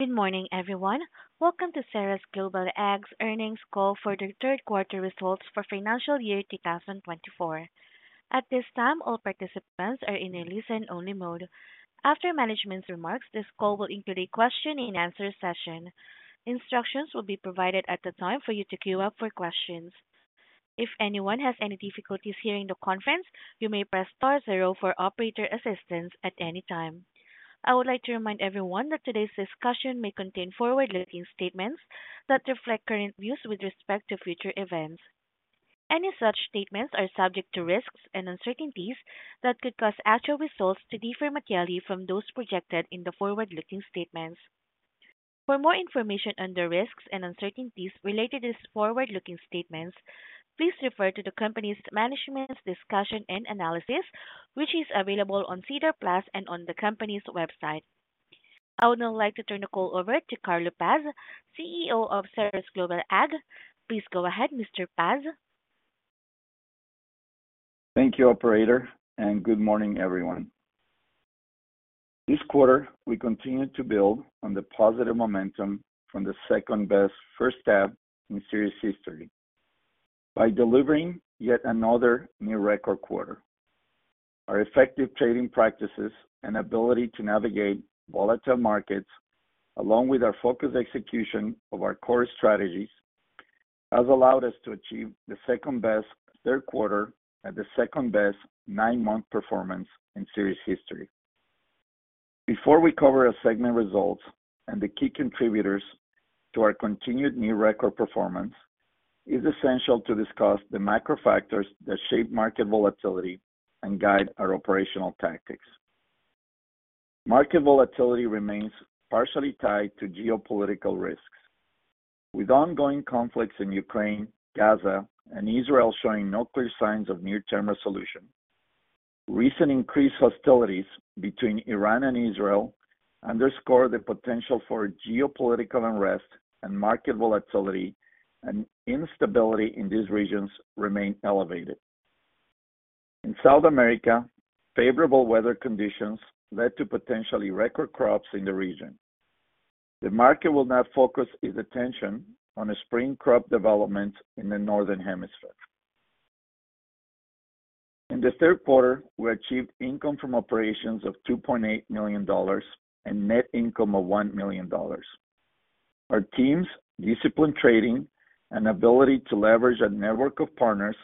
Good morning, everyone. Welcome to Ceres Global Ag's earnings call for the third quarter results for financial year 2024. At this time, all participants are in a listen-only mode. After management's remarks, this call will include a question-and-answer session. Instructions will be provided at the time for you to queue up for questions. If anyone has any difficulties hearing the conference, you may press star zero for operator assistance at any time. I would like to remind everyone that today's discussion may contain forward-looking statements that reflect current views with respect to future events. Any such statements are subject to risks and uncertainties that could cause actual results to differ materially from those projected in the forward-looking statements. For more information on the risks and uncertainties related to these forward-looking statements, please refer to the company's Management's Discussion and Analysis, which is available on SEDAR+ and on the company's website. I would now like to turn the call over to Carlos Paz, CEO of Ceres Global Ag. Please go ahead, Mr. Paz. Thank you, operator, and good morning, everyone. This quarter, we continued to build on the positive momentum from the second-best first half in Ceres history. By delivering yet another new record quarter, our effective trading practices and ability to navigate volatile markets, along with our focused execution of our core strategies, has allowed us to achieve the second-best third quarter and the second-best nine-month performance in Ceres' history. Before we cover our segment results and the key contributors to our continued new record performance, it's essential to discuss the macro factors that shape market volatility and guide our operational tactics. Market volatility remains partially tied to geopolitical risks. With ongoing conflicts in Ukraine, Gaza, and Israel showing no clear signs of near-term resolution, recent increased hostilities between Iran and Israel underscore the potential for geopolitical unrest and market volatility, and instability in these regions remain elevated. In South America, favorable weather conditions led to potentially record crops in the region. The market will now focus its attention on the spring crop development in the Northern Hemisphere. In the third quarter, we achieved income from operations of $2.8 million and net income of $1 million. Our team's disciplined trading and ability to leverage a network of partners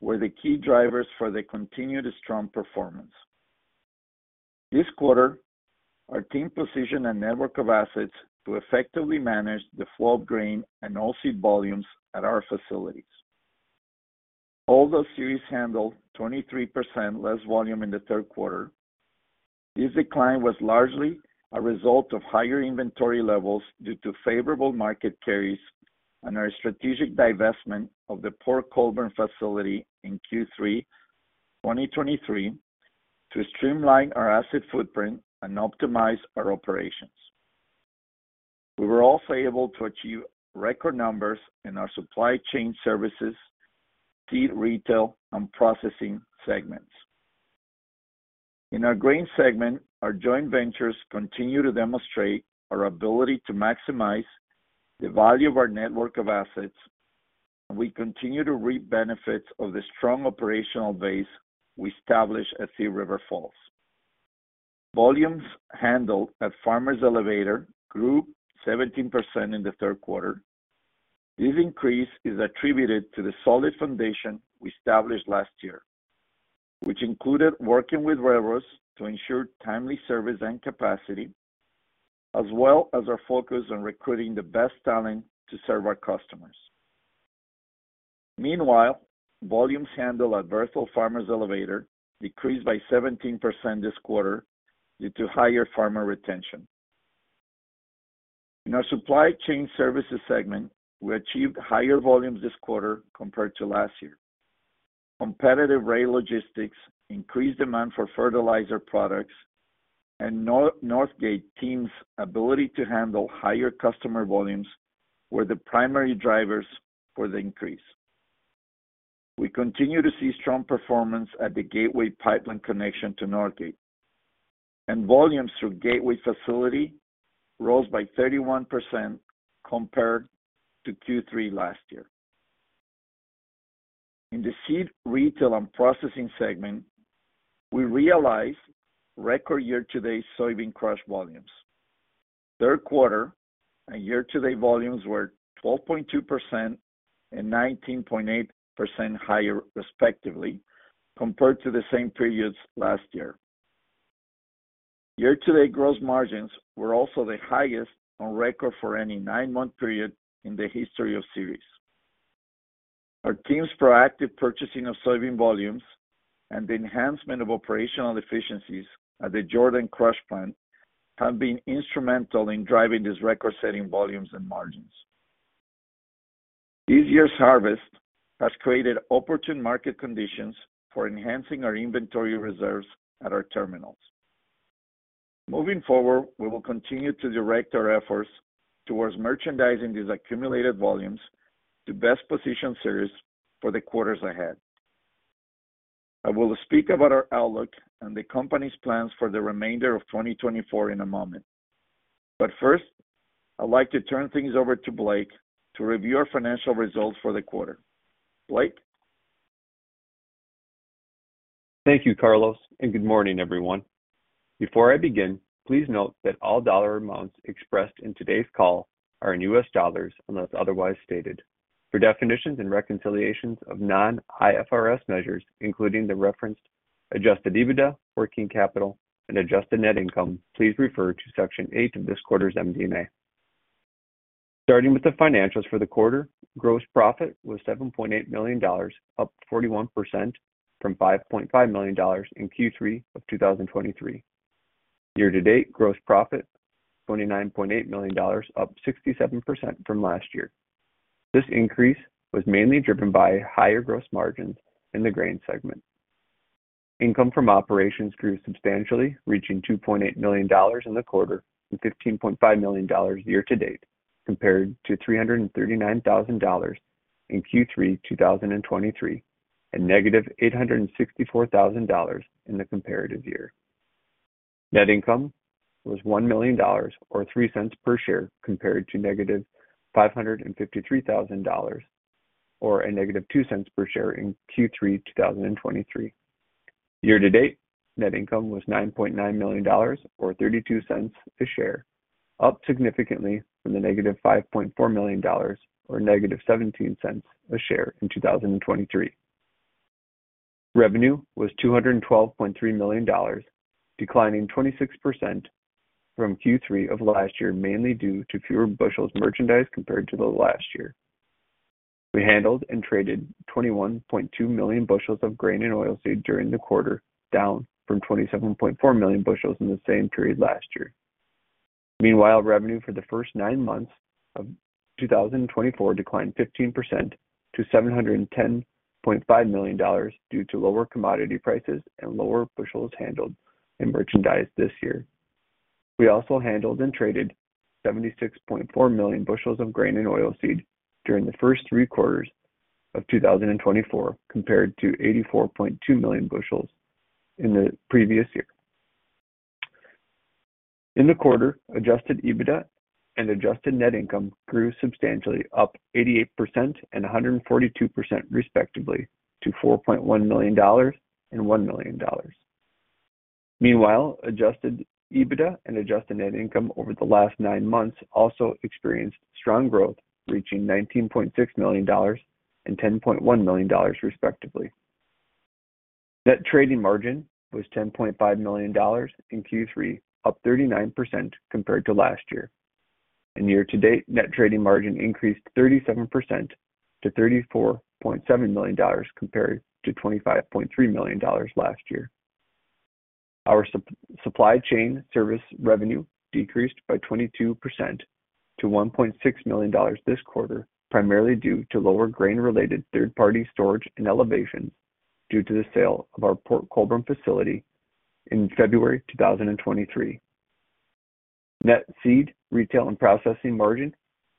were the key drivers for the continued strong performance. This quarter, our team positioned a network of assets to effectively manage the flow of grain and oilseed volumes at our facilities. Although Ceres handled 23% less volume in the third quarter, this decline was largely a result of higher inventory levels due to favorable market carries and our strategic divestment of the Port Colborne facility in Q3 2023, to streamline our asset footprint and optimize our operations. We were also able to achieve record numbers in our supply chain services, seed retail, and processing segments. In our grain segment, our joint ventures continue to demonstrate our ability to maximize the value of our network of assets, and we continue to reap benefits of the strong operational base we established at Thief River Falls. Volumes handled at Farmers Elevator grew 17% in the third quarter. This increase is attributed to the solid foundation we established last year, which included working with railroads to ensure timely service and capacity, as well as our focus on recruiting the best talent to serve our customers. Meanwhile, volumes handled at Berthold Farmers Elevator decreased by 17% this quarter due to higher farmer retention. In our supply chain services segment, we achieved higher volumes this quarter compared to last year. Competitive rail logistics, increased demand for fertilizer products, and Northgate team's ability to handle higher customer volumes were the primary drivers for the increase. We continue to see strong performance at the Gateway Pipeline connection to Northgate, and volumes through Gateway facility rose by 31% compared to Q3 last year. In the seed retail and processing segment, we realized record year-to-date soybean crush volumes. Third quarter and year-to-date volumes were 12.2% and 19.8% higher, respectively, compared to the same periods last year. Year-to-date gross margins were also the highest on record for any nine-month period in the history of Ceres. Our team's proactive purchasing of soybean volumes and the enhancement of operational efficiencies at the Jordan Crush Plant have been instrumental in driving these record-setting volumes and margins. This year's harvest has created opportune market conditions for enhancing our inventory reserves at our terminals. Moving forward, we will continue to direct our efforts towards merchandising these accumulated volumes to best position Ceres for the quarters ahead. I will speak about our outlook and the company's plans for the remainder of 2024 in a moment. But first, I'd like to turn things over to Blake to review our financial results for the quarter. Blake? Thank you, Carlos, and good morning, everyone. Before I begin, please note that all dollar amounts expressed in today's call are in U.S. dollars, unless otherwise stated. For definitions and reconciliations of non-IFRS measures, including the referenced Adjusted EBITDA, Working Capital, and Adjusted Net Income, please refer to section eight of this quarter's MD&A. Starting with the financials for the quarter, gross profit was $7.8 million, up 41% from $5.5 million in Q3 of 2023. Year-to-date gross profit, $29.8 million, up 67% from last year. This increase was mainly driven by higher gross margins in the grain segment. Income from operations grew substantially, reaching $2.8 million in the quarter and $15.5 million year to date, compared to $339,000 in Q3, 2023, and -$864,000 in the comparative year. Net income was $1 million, or $0.03 per share, compared to -$553,000, or -$0.02 per share in Q3, 2023. Year to date, net income was $9.9 million, or $0.32 a share, up significantly from the -$5.4 million, or -$0.17 a share in 2023. Revenue was $212.3 million, declining 26% from Q3 of last year, mainly due to fewer bushels merchandised compared to the last year. We handled and traded 21.2 million bushels of grain and oilseed during the quarter, down from 27.4 million bushels in the same period last year. Meanwhile, revenue for the first nine months of 2024 declined 15% to $710.5 million due to lower commodity prices and lower bushels handled and merchandised this year. We also handled and traded 76.4 million bushels of grain and oilseed during the first three quarters of 2024, compared to 84.2 million bushels in the previous year. In the quarter, Adjusted EBITDA and Adjusted Net Income grew substantially, up 88% and 142% respectively, to $4.1 million and $1 million. Meanwhile, Adjusted EBITDA and adjusted net income over the last nine months also experienced strong growth, reaching $19.6 million and $10.1 million, respectively. Net trading margin was $10.5 million in Q3, up 39% compared to last year. Year-to-date, net trading margin increased 37% to $34.7 million, compared to $25.3 million last year. Our supply chain service revenue decreased by 22% to $1.6 million this quarter, primarily due to lower grain-related third-party storage and elevator due to the sale of our Port Colborne facility in February 2023. Net seed, retail, and processing margin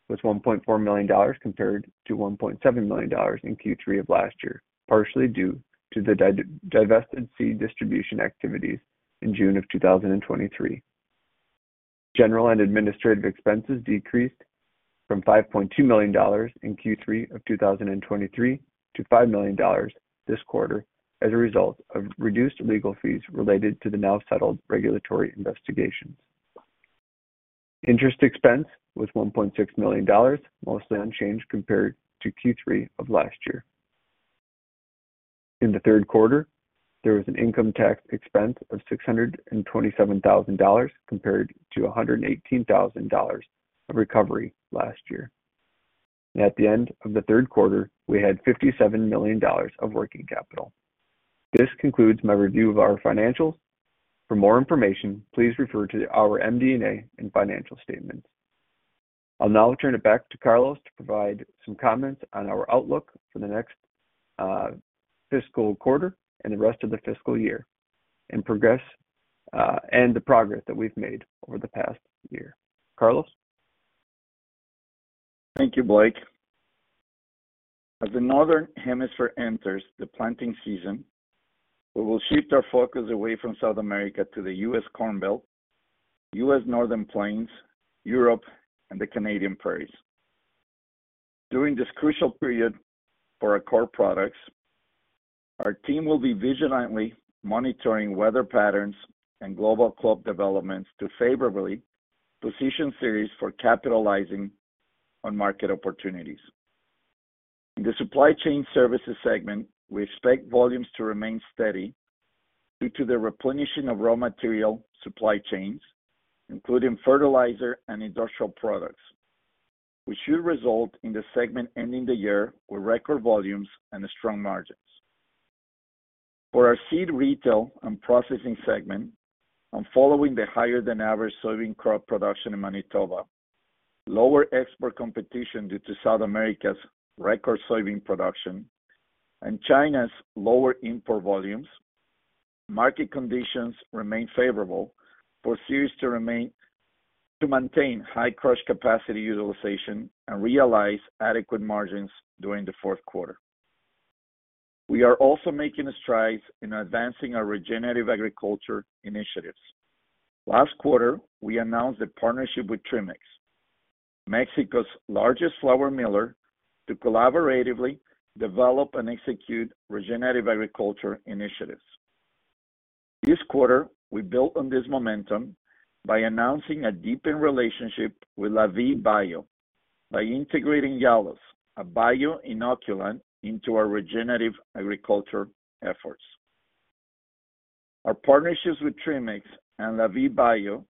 was $1.4 million, compared to $1.7 million in Q3 of last year, partially due to the divested seed distribution activities in June of 2023. General and administrative expenses decreased from $5.2 million in Q3 of 2023 to $5 million this quarter, as a result of reduced legal fees related to the now settled regulatory investigations. Interest expense was $1.6 million, mostly unchanged compared to Q3 of last year. In the third quarter, there was an income tax expense of $627,000, compared to $118,000 of recovery last year. At the end of the third quarter, we had $57 million of working capital. This concludes my review of our financials. For more information, please refer to our MD&A and financial statements. I'll now turn it back to Carlos to provide some comments on our outlook for the next, fiscal quarter and the rest of the fiscal year, and progress, and the progress that we've made over the past year. Carlos? Thank you, Blake. As the Northern Hemisphere enters the planting season, we will shift our focus away from South America to the U.S. Corn Belt, U.S. Northern Plains, Europe, and the Canadian Prairies. During this crucial period for our core products, our team will be vigilantly monitoring weather patterns and global crop developments to favorably position Ceres for capitalizing on market opportunities. In the supply chain services segment, we expect volumes to remain steady due to the replenishing of raw material supply chains, including fertilizer and industrial products, which should result in the segment ending the year with record volumes and strong margins. For our seed, retail, and processing segment, and following the higher-than-average soybean crop production in Manitoba, lower export competition due to South America's record soybean production, and China's lower import volumes, Market conditions remain favorable for Ceres to maintain high crush capacity utilization and realize adequate margins during the fourth quarter. We are also making strides in advancing our regenerative agriculture initiatives. Last quarter, we announced a partnership with Trimex, Mexico's largest flour miller, to collaboratively develop and execute regenerative agriculture initiatives. This quarter, we built on this momentum by announcing a deepened relationship with Lavie Bio, by integrating Yalos, a bio-inoculant, into our regenerative agriculture efforts. Our partnerships with Trimex and Lavie Bio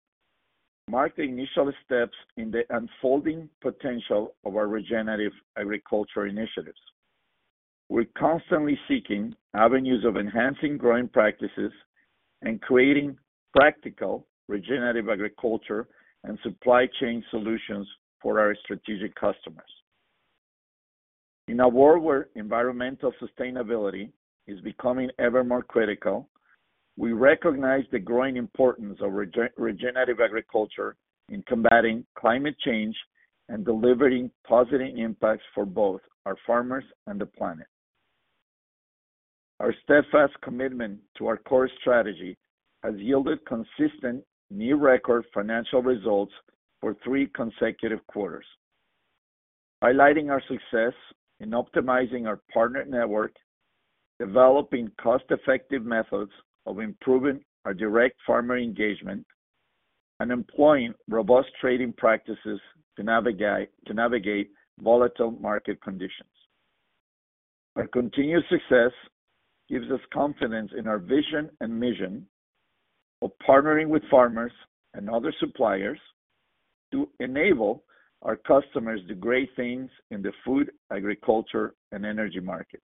mark the initial steps in the unfolding potential of our regenerative agriculture initiatives. We're constantly seeking avenues of enhancing growing practices and creating practical, regenerative agriculture and supply chain solutions for our strategic customers. In a world where environmental sustainability is becoming ever more critical, we recognize the growing importance of regenerative agriculture in combating climate change and delivering positive impacts for both our farmers and the planet. Our steadfast commitment to our core strategy has yielded consistent, new record financial results for three consecutive quarters, highlighting our success in optimizing our partner network, developing cost-effective methods of improving our direct farmer engagement, and employing robust trading practices to navigate volatile market conditions. Our continued success gives us confidence in our vision and mission of partnering with farmers and other suppliers to enable our customers to do great things in the food, agriculture, and energy markets.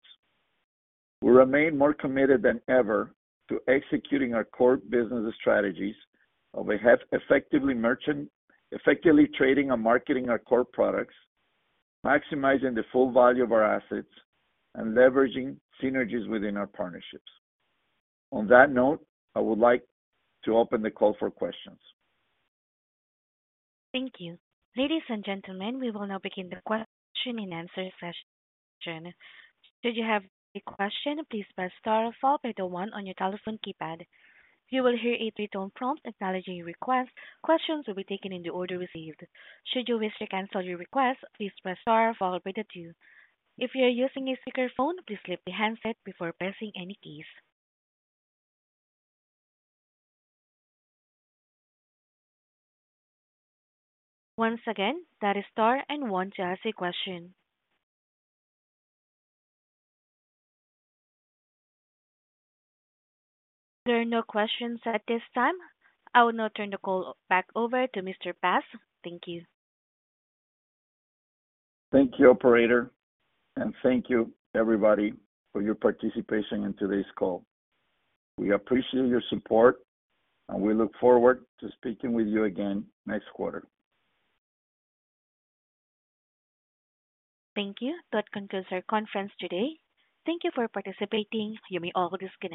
We remain more committed than ever to executing our core business strategies of effectively trading and marketing our core products, maximizing the full value of our assets, and leveraging synergies within our partnerships. On that note, I would like to open the call for questions. Thank you. Ladies and gentlemen, we will now begin the question and answer session. Should you have a question, please press star followed by the one on your telephone keypad. You will hear a pre-tone prompt acknowledging your request. Questions will be taken in the order received. Should you wish to cancel your request, please press star followed by the two. If you are using a speakerphone, please lift the handset before pressing any keys. Once again, that is star and one to ask a question. There are no questions at this time. I will now turn the call back over to Mr. Paz. Thank you. Thank you, operator, and thank you, everybody, for your participation in today's call. We appreciate your support, and we look forward to speaking with you again next quarter. Thank you. That concludes our conference today. Thank you for participating. You may all disconnect.